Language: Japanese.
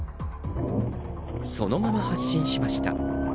そのまま発進しました。